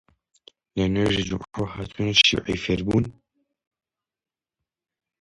لە نوێژی جومعەوە هاتوونە شیووعی فێر بوون؟